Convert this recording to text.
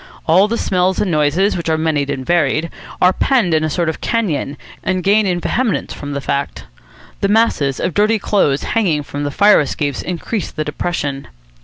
All the smells and noises, which are many and varied, are penned up in a sort of canyon, and gain in vehemence from the fact. The masses of dirty clothes hanging from the fire escapes increase the depression.